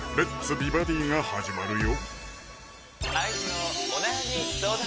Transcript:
美バディ」が始まるよ